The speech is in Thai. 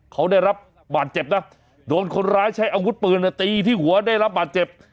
เขาได้รับบาดเจ็บนะโดนคนร้ายใช้อาวุธปืนตีที่หัวได้รับบาดเจ็บ